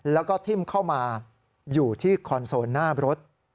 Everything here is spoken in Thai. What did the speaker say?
แล้วก็ทิ้มเข้ามาอยู่ที่คอนโซลหน้ารถ